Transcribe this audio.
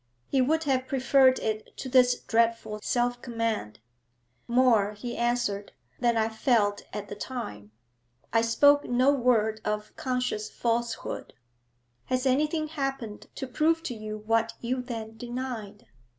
He would have preferred it to this dreadful self command. 'More,' he answered, 'than I felt at the time. I spoke no word of conscious falsehood.' 'Has anything happened to prove to you what you then denied?'